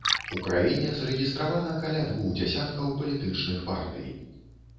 У краіне зарэгістравана каля двух дзясяткаў палітычных партый.